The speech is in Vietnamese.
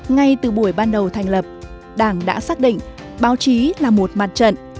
ngay từ buổi ban đầu thành lập đảng đã xác định báo chí là một mặt trận